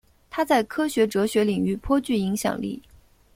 他在科学哲学领域颇具影响力。